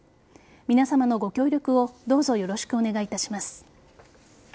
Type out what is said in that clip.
皆さまのご協力をどうぞよろしくお願いいたします。